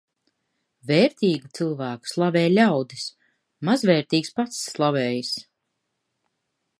Vērtīgu cilvēku slavē ļaudis, mazvērtīgs pats slavējas.